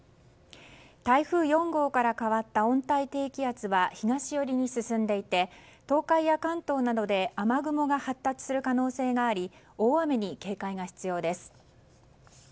台風４号から変わった温帯低気圧は東寄りに進んでいて東海や関東などで雨雲が発達する可能性があり大雨に警戒が必要です。